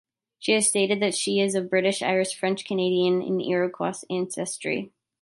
She has stated that she is of British, Irish, French Canadian, and Iroquois ancestry.